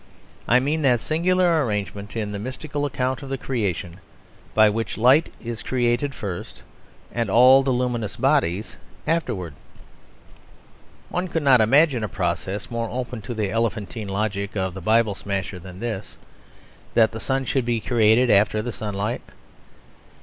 I mean that singular arrangement in the mystical account of the Creation by which light is created first and all the luminous bodies afterwards. One could not imagine a process more open to the elephantine logic of the Bible smasher than this: that the sun should be created after the sunlight.